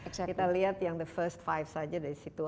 kita lihat yang the first vive saja dari situ